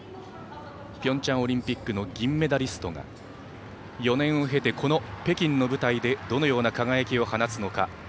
ピョンチャンオリンピックの銀メダリストが４年を経て、この北京の舞台でどのような輝きを放つのか。